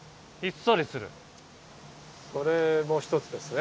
それも一つですね。